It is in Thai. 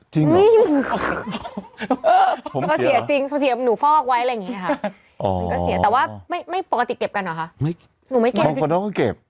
จริงเหรอผมเสียจริงผมเสียหนูฟอกไว้อะไรอย่างนี้ค่ะมันก็เสียแต่ว่าไม่ปกติเก็บกันเหรอค่ะหนูไม่เก็บ